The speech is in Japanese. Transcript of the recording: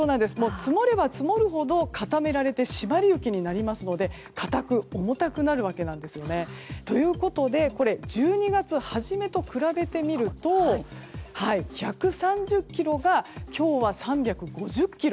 積もれば積もるほど固められて締まり雪になりますので硬く重たくなるわけなんですね。ということで１２月初めと比べてみると１３０ｋｇが今日は３５０ｋｇ。